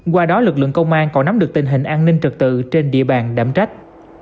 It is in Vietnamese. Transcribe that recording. qua đó lực lượng công an còn nắm được tình hình an ninh trật tự trên địa bàn đảm trách